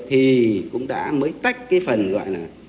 thì cũng đã mới tách cái phần